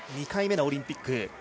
２回目のオリンピック。